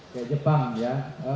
kayak jepang ya